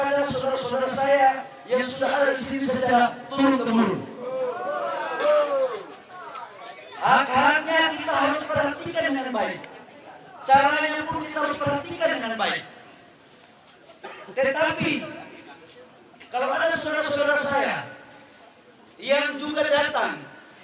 tetapi kalau ada saudara saudara saya yang juga datang